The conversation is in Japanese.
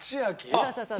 そうそうそうそう。